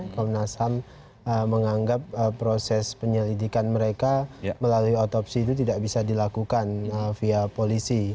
komnas ham menganggap proses penyelidikan mereka melalui otopsi itu tidak bisa dilakukan via polisi